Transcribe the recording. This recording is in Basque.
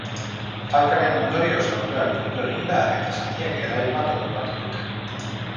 Talkaren ondorioz autoa erdibitu egin da eta zatiak errail bat okupatu dute.